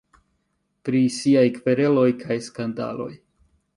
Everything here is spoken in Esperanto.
Pri siaj kvereloj kaj skandaloj.